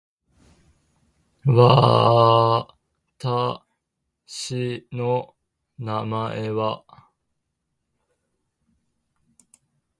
わーーーーーーーー